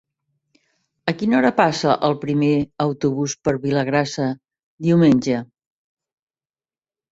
A quina hora passa el primer autobús per Vilagrassa diumenge?